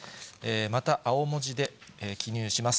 また青文字で記入します。